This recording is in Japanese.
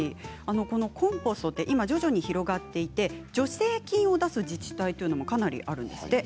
コンポストは徐々に広がっていて助成金を出す自治体というのもかなりあるんですって。